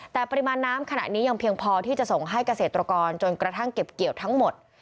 แต่ปริมาณน้ำขณะนี้ยังเพียงพอที่จะส่งให้เกษตรกรจนกระทั่งเก็บเกี่ยวทั้งหมด